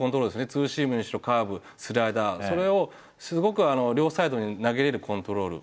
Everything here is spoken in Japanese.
ツーシームにしろカーブスライダーそれをすごく両サイドに投げれるコントロール。